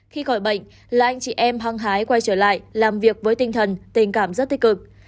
khi khỏi bệnh là anh chị em hăng hái quay trở lại làm việc với tinh thần tình cảm rất tích cực